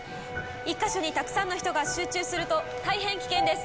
１か所にたくさんの人が集中すると大変危険です。